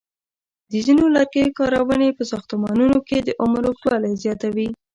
د ځینو لرګیو کارونې په ساختمانونو کې د عمر اوږدوالی زیاتوي.